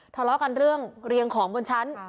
ทะเลาะกันเรื่องเรียงของบนชั้น